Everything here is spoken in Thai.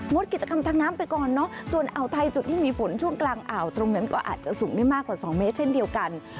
ดกิจกรรมทางน้ำไปก่อนเนอะส่วนอ่าวไทยจุดที่มีฝนช่วงกลางอ่าวตรงนั้นก็อาจจะสูงได้มากกว่า๒เมตรเช่นเดียวกัน